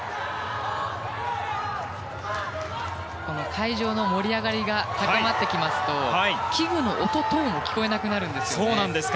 会場の盛り上がりが高まってきますと器具の音も聞こえなくなるんですよね。